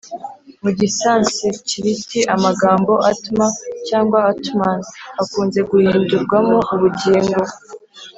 mu gisansikiriti, amagambo ātma cyangwa ātman, akunze guhindurwamo ubugingo